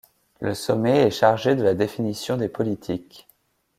Le Sommet est chargé de la définition des politiques.